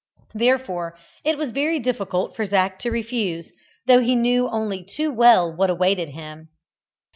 Therefore it was very difficult for Zac to refuse, though he knew only too well what awaited him.